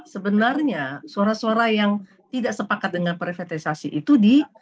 sebenarnya suara suara yang tidak sepakat dengan privitalisasi itu di